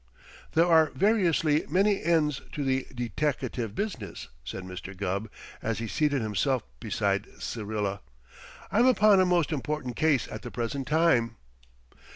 "There are variously many ends to the deteckative business," said Mr. Gubb, as he seated himself beside Syrilla. "I'm upon a most important case at the present time."